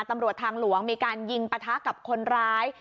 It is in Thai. ตำรวจทางหลวงมีการยิงปะทะกับคนร้าย